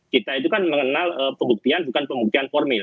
kita itu kan mengenal pembuktian bukan pembuktian formil